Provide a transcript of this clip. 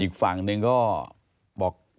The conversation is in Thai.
อีกฝั่งหนึ่งก็บอก